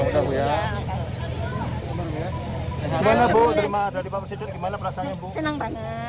terima kasih banyak pak